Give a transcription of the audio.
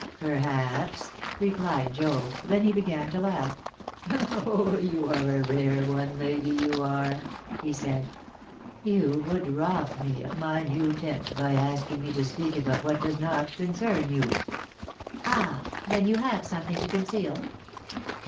"Perhaps," replied Job; then he began to laugh. "Oh, you are a rare one, lady, you are!" he said. "You would rob me of my new tent by asking me to speak about what does not concern you." "Ah! Then you have something to conceal?"